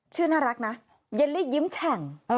ชื่อน่ารักนะเยลลี่ยิ้มแฉ่ง